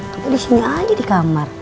kita disini aja di kamar